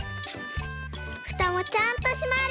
ふたもちゃんとしまる。